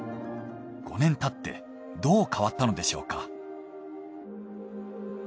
５年経ってどう変わったのでしょうか？